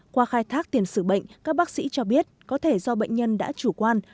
qua khai thác tiền sử bệnh các bác sĩ cho biết có thể do bệnh nhân đã chủ quan